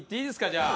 じゃあ。